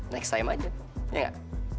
next time aja iya gak